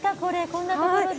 こんなところで。